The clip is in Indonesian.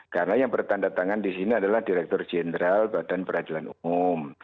karena yang bertanda tangan di sini adalah direktur jenderal badan peradilan umum